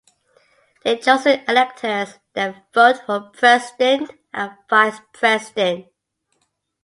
Their chosen electors then vote for President and Vice President.